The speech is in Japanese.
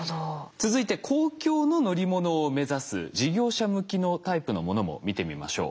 続いて公共の乗り物を目指す事業者向きのタイプのものも見てみましょう。